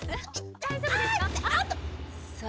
大丈夫ですか？